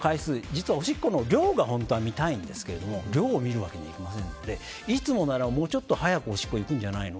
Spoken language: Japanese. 実はおしっこの量が本当は見たいんですけど量を見るわけにはいきませんのでいつもならもうちょっと早くおしっこ行くんじゃないの？